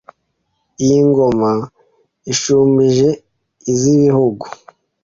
Iyi ngoma ishumbije iz'ibihugu